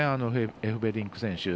エフベリンク選手